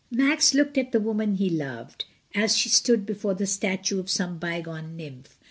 Max looked at the woman he loved, as she stood before the statue of some bygone nymph.